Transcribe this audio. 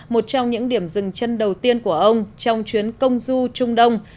một trong những điểm dừng chân đầu tiên của ông trong chuyến công du trung đông